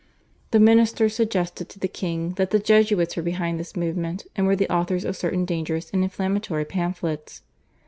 The ministers suggested to the king that the Jesuits were behind this movement, and were the authors of certain dangerous and inflammatory pamphlets.